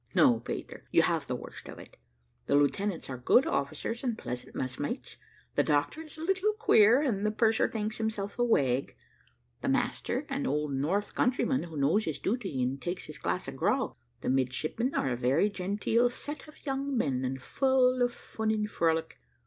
"No, Peter, you have the worst of it. The lieutenants are good officers, and pleasant messmates; the doctor is a little queer, and the purser thinks himself a wag; the master, an old north countryman, who knows his duty, and takes his glass of grog. The midshipmen are a very genteel set of young men, and full of fun and frolic.